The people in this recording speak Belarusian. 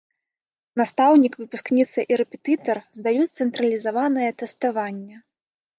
Настаўнік, выпускніца і рэпетытар здаюць цэнтралізаванае тэставанне.